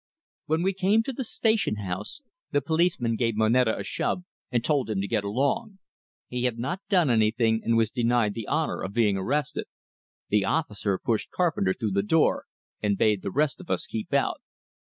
When we came to the station house, the policeman gave Moneta a shove and told him to get along; he had not done anything, and was denied the honor of being arrested. The officer pushed Carpenter through the door, and bade the rest of us keep out.